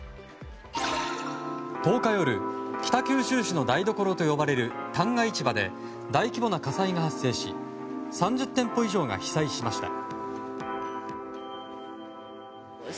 １０日夜北九州市の台所と呼ばれる旦過市場で大規模な火災が発生し３０店舗以上が被災しました。